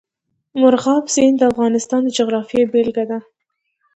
مورغاب سیند د افغانستان د جغرافیې بېلګه ده.